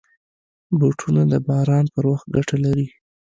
بوټونه د باران پر وخت ګټه لري.